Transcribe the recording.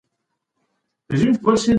ځواب ته تیار اوسئ.